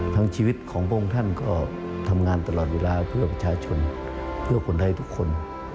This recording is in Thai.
ชีวิตของพระองค์ท่านก็ทำงานตลอดเวลาเพื่อประชาชนเพื่อคนไทยทุกคน